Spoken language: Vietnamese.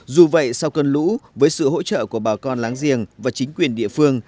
dù vậy sau cơn lũ với sự hỗ trợ của bà con láng giềng và chính quyền địa phương